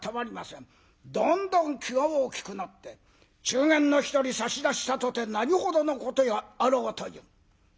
どんどん気が大きくなって中間の１人差し出したとて何ほどのことやあろうという。